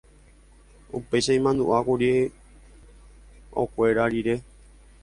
Upéicha imandu'ákuri okuera rire.